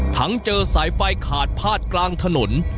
ทั้งเจอสายไฟขาดพาดกลางถนน